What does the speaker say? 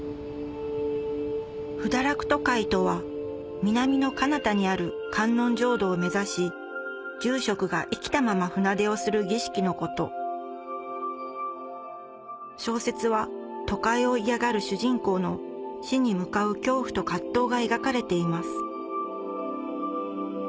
補陀落渡海とは南のかなたにある観音浄土を目指し住職が生きたまま船出をする儀式のこと小説は渡海を嫌がる主人公の死に向かう恐怖と葛藤が描かれています